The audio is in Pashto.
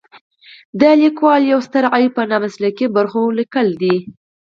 د لیکوالو یو ستر عیب په نامسلکي برخو لیکل دي.